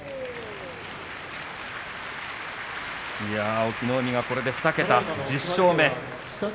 隠岐の海が２桁１０勝目。